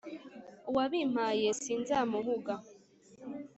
uwabimpaye sinzamuhuga